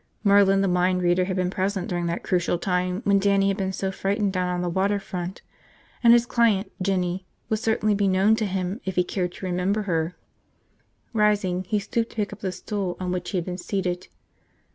Merlin the mind reader had been present during that crucial time when Dannie had been so frightened down on the water front. And his client, Jinny, would certainly be known to him if he cared to remember her. Rising, he stooped to pick up the stool on which he had been seated.